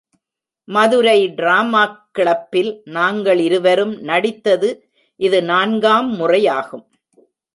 Madurai dramatic கிளப்பில் நாங்களிருவரும் நடித்தது இது நான்காம் முறையாகும்.